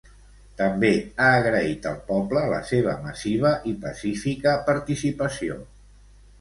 També ha agraït al poble la seva massiva i pacífica participació.